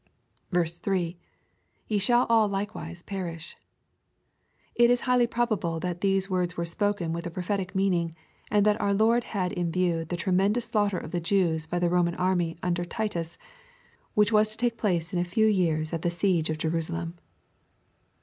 3. —[ Ye shall aU likewise perish.] It is highly probable that these words were spoken with a prophetic meaning, and that our Lord had in view the tremendous slaughter of the Jews by the Roman army under Titus, which was to take place in a few years at the siege of Jerusalem.